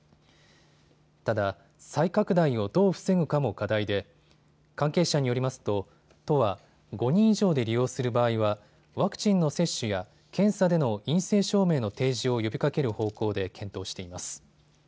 ただ再拡大をどう防ぐかも課題で関係者によりますと都は５人以上で利用する場合はワクチンの接種や検査での陰性証明の提示を呼びかける方向で検討しています。